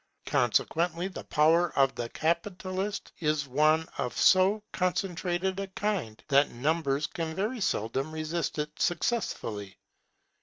Consequently the power of the capitalist is one of so concentrated a kind, that numbers can very seldom resist it successfully.